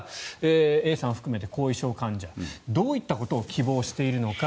Ａさん含めて後遺症患者どういったことを希望しているのか。